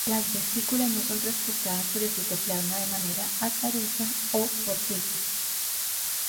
Las vesículas no son transportadas por el citoplasma de manera "azarosa" o "fortuita".